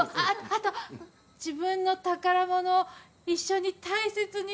あと自分の宝物を一緒に大切にしてくれる人。